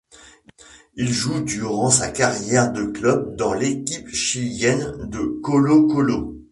Il joue durant sa carrière de club dans l'équipe chilienne de Colo Colo.